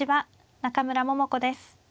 中村桃子です。